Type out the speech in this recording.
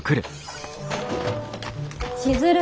千鶴。